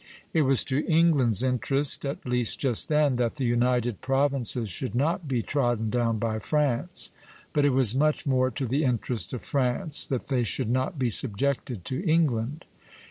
It was to England's interest, at least just then, that the United Provinces should not be trodden down by France; but it was much more to the interest of France that they should not be subjected to England.